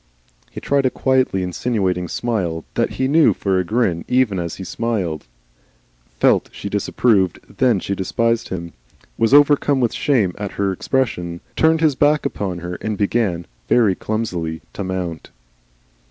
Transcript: He tried a quietly insinuating smile that he knew for a grin even as he smiled it; felt she disapproved that she despised him, was overcome with shame at her expression, turned his back upon her, and began (very clumsily) to mount.